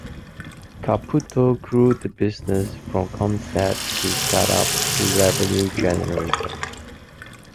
Caputo grew the business from concept to start up to revenue generator.